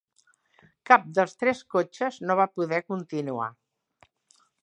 Cap dels tres cotxes no va poder continuar.